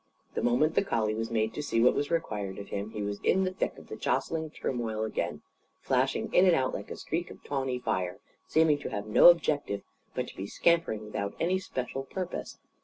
The moment the collie was made to see what was required of him, he was in the thick of the jostling turmoil again, flashing in and out like a streak of tawny fire, seeming to have no objective, but to be scampering without any special purpose.